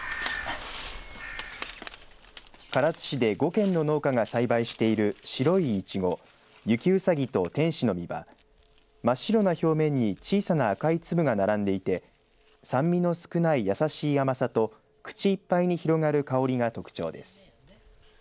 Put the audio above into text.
唐津市で５軒の農家が栽培している白いいちご雪うさぎと天使の実は真っ白な表面に小さな赤い粒が並んでいて酸味の少ない優しい甘さと口いっぱいに広がる香りが特徴です。